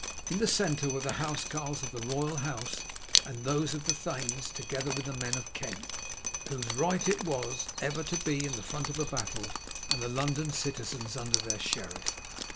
In the centre were the housecarls of the royal house and those of the thanes, together with the men of Kent, whose right it was ever to be in the front of a battle, and the London citizens under their sheriff.